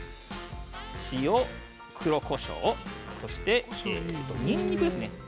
塩、黒こしょうそしてにんにくですね。